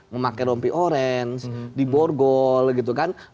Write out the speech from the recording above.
memakai rompi orange diborgol gitu kan